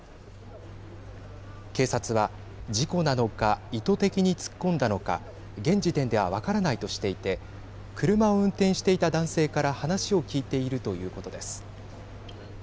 警察は、事故なのか意図的に突っ込んだのか現時点では分からないとしていて車を運転していた男性から話を聞いているということです。